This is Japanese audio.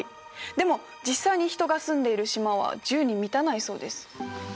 でも実際に人が住んでいる島は１０に満たないそうです。